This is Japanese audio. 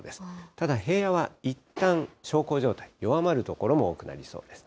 ただ、平野はいったん、小康状態、弱まる所も多くなりそうです。